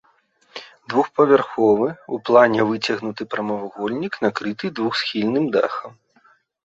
Двухпавярховы, у плане выцягнуты прамавугольнік, накрыты двухсхільным дахам.